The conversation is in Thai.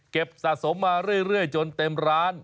สะสมมาเรื่อยจนเต็มร้าน